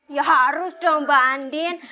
ya harus dong mbak andin